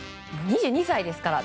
２２歳ですから。